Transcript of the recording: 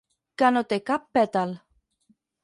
Que no té cap pètal.